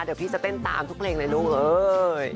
เดี๋ยวพี่จะเต้นตามทุกเพลงเลยลูกเอ้ย